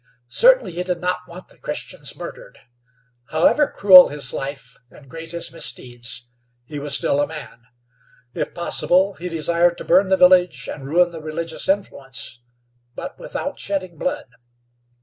Certainly he did not want the Christians murdered. However cruel his life, and great his misdeeds, he was still a man. If possible, he desired to burn the village and ruin the religious influence, but without shedding blood.